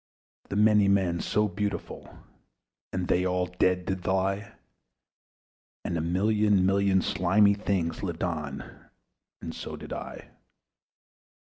The many men, so beautiful! And they all dead did lie: And a thousand thousand slimy things Lived on; and so did I.